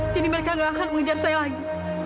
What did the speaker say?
jadi mereka nggak akan mengejar saya lagi